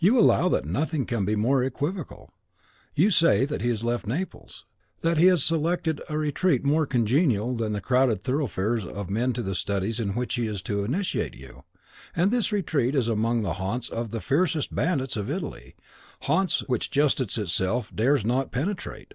You allow that nothing can be more equivocal. You say that he has left Naples, that he has selected a retreat more congenial than the crowded thoroughfares of men to the studies in which he is to initiate you; and this retreat is among the haunts of the fiercest bandits of Italy, haunts which justice itself dares not penetrate.